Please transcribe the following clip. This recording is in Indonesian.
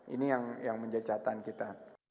ini yang menjejatan kita